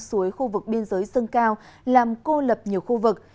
suối khu vực biên giới dâng cao làm cô lập nhiều khu vực